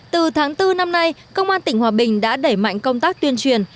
từ tháng bốn năm nay công an tỉnh hòa bình đã đẩy mạnh công tác tuyên truyền